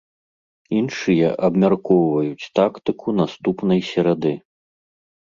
Іншыя абмяркоўваюць тактыку наступнай серады.